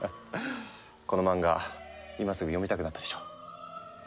この漫画今すぐ読みたくなったでしょ？